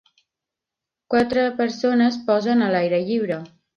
Quatre persones posen a l'aire lliure.